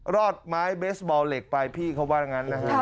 อดไม้เบสบอลเหล็กไปพี่เขาว่าอย่างนั้นนะฮะ